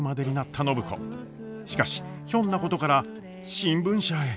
しかしひょんなことから新聞社へ。